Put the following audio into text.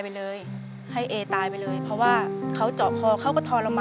เปลี่ยนเพลงเพลงเก่งของคุณและข้ามผิดได้๑คำ